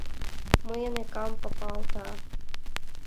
Мыйын экам папалта.